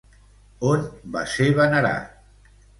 On va ser venerat?